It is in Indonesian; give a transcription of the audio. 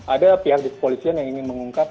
ada pihak di kepolisian yang ingin mengungkap